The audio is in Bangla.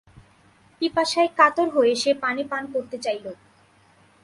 পিপাসায় কাতর হয়ে সে পানি পান করতে চাইল।